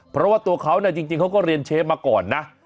เพราะว่าตัวเขาจริงเขาก็เรียนเชฟมาก่อนนะ